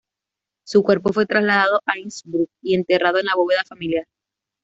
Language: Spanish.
Su cuerpo fue trasladado a Innsbruck y enterrado en la bóveda familiar.